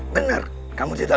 benar kamu tidak tahu